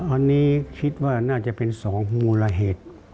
อันนี้คิดว่าน่าจะเป็น๒มูลละเหตุ